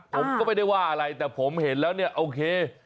ผมก็ไม่ได้ว่าอะไรแต่ผมเห็นแล้วเนี่ยโอเค